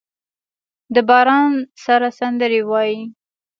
د باران سره سندرې وايي